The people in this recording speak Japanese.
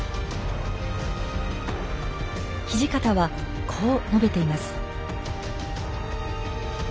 土方はこう述べています。